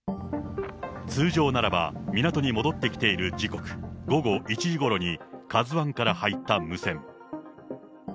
通常ならば、港に戻ってきている時刻、午後１時ごろに、カズワンから入った無線。